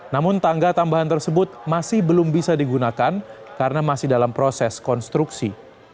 namun tangga tambahan tersebut masih belum bisa digunakan karena masih dalam proses konstruksi